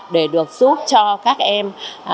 để được giúp cho các em